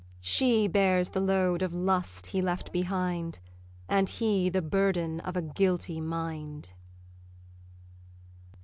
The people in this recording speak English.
She hears the load of lust he left behind, And he the burden of a guilty mind.